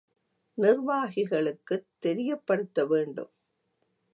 நிர்வாகிகளுக்குத் தெரியப்படுத்த வேண்டும்.